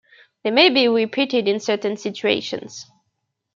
They may be repeated in certain situations.